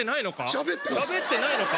しゃべってないのか？